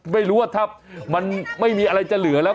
ไม่รู้ว่าถ้ามันไม่มีอะไรจะเหลือแล้ว